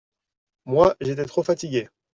Moi, j’étais trop fatiguée.